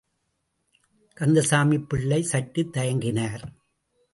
கந்தசாமிப் பிள்ளை சற்றுத் தயங்கினார்.